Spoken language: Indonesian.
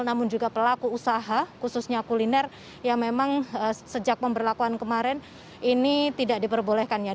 namun juga pelaku usaha khususnya kuliner yang memang sejak pemberlakuan kemarin ini tidak diperbolehkannya